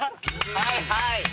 はいはい！